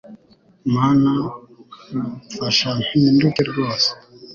mana mfashampi nduke rwose